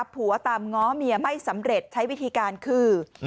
ผัวตามง้อเมียไม่สำเร็จใช้วิธีการคือ